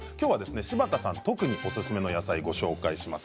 柴田さんおすすめの野菜を紹介します。